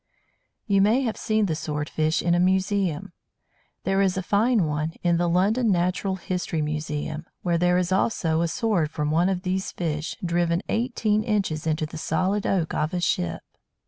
You may have seen the Sword fish in a museum. There is a fine one in the London Natural History Museum, where there is also a "sword" from one of these fish, driven eighteen inches into the solid oak of a ship.